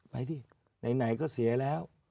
ไปดิไหนก็เสียแล้ว